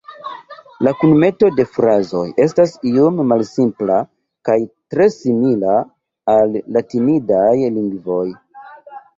La kunmeto de frazoj estas iom malsimpla kaj tre simila al latinidaj lingvoj.